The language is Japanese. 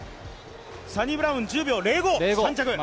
サニブラウン１０秒０５。